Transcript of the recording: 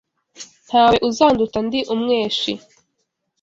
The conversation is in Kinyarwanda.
Nta we uzanduta ndi umweshi